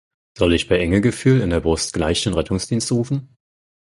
Soll ich bei Engegefühl in der Brust gleich den Rettungsdienst rufen?